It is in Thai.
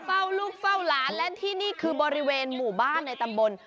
เฝ้าลูกเฝ้าหลานและที่นี่คือบริเวณหมู่บ้านในตำบล